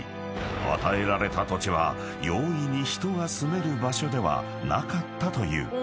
［与えられた土地は容易に人が住める場所ではなかったという］